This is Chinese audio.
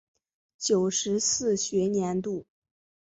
九十四学年度